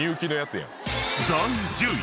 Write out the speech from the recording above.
［第１０位］